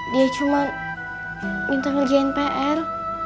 dia cuma minta ngerjain pr